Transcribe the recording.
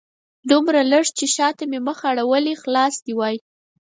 دومره لږ چې شاته مې مخ اړولی خلاص دې وای